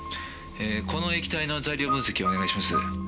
この液体の材料分析をお願いします。